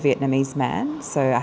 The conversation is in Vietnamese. và tuyệt vời